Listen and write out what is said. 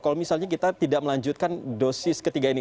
kalau misalnya kita tidak melanjutkan dosis ketiga ini